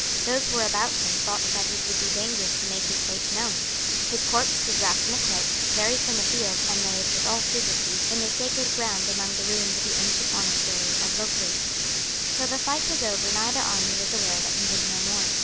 Those who were about him thought that it would be dangerous to make his fate known. His corpse was wrapped in a cloak, carried from the field, and laid, with all secresy, in the sacred ground among the ruins of the ancient monastery of Loughrea. Till the fight was over neither army was aware that he was no more.